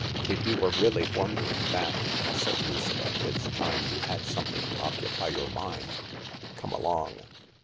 " If you Were really wondering that," said Lucilla, "it's time you had something to occupy your mind. Come along.